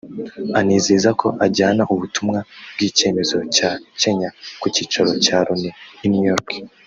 anizeza ko ajyana ubutumwa bw’icyemezo cya Kenya ku cyicaro cya Loni i New York